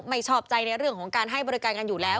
ไม่ชอบใจในเรื่องของการให้บริการกันอยู่แล้ว